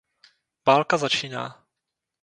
Válka začíná.